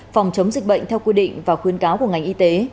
phòng chống dịch bệnh theo quy định và khuyến cáo của ngành y tế